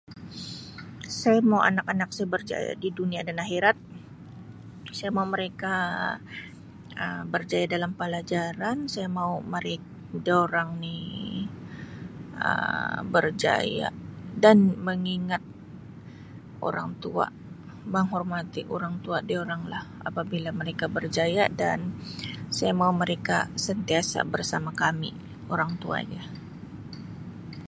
Saya mau anak-anak saya berjaya di dunia dan akhirat saya mau mereka Um berjaya dalam palajaran saya mau merek dorang ni Um berjaya dan mengingat orang tua menghormati orang tua dorang lah apabila mereka berjaya dan saya mau mereka sentiasa bersama kami orang tua dia.